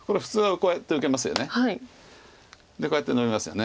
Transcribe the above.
こうやってノビますよね。